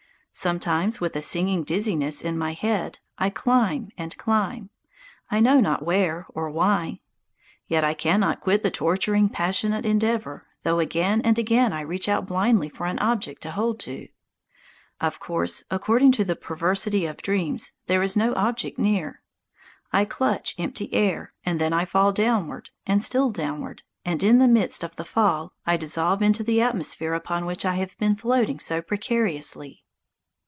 Sometimes with a singing dizziness in my head I climb and climb, I know not where or why. Yet I cannot quit the torturing, passionate endeavour, though again and again I reach out blindly for an object to hold to. Of course according to the perversity of dreams there is no object near. I clutch empty air, and then I fall downward, and still downward, and in the midst of the fall I dissolve into the atmosphere upon which I have been floating so precariously.